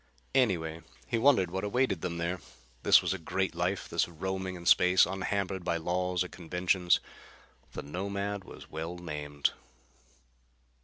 Anyway, he wondered what awaited them there. This was a great life, this roaming in space, unhampered by laws or conventions. The Nomad was well named.